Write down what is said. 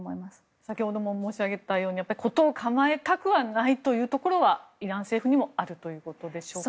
先ほども申し上げたように事を構えたくはないというところはイラン政府にもあるということでしょうか。